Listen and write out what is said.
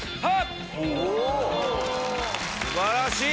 素晴らしい！